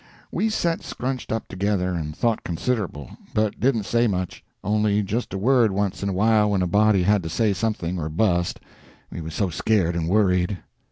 We set scrunched up together, and thought considerable, but didn't say much—only just a word once in a while when a body had to say something or bust, we was so scared and worried.